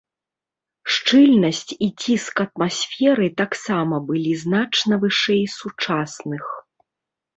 Шчыльнасць і ціск атмасферы таксама былі значна вышэй сучасных.